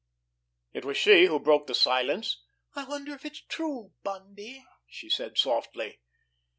It was she who broke the silence. "I wonder if it's true, Bundy?" she said softly.